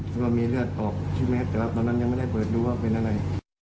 แล้วก็มีเลือดออกใช่ไหมแต่ว่าตอนนั้นยังไม่ได้เปิดดูว่าเป็นอะไร